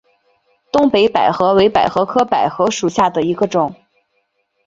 东北百合为百合科百合属下的一个种。